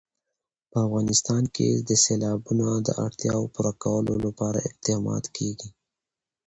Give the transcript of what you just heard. په افغانستان کې د سیلابونه د اړتیاوو پوره کولو لپاره اقدامات کېږي.